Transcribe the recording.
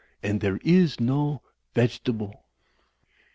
And there is no vege table."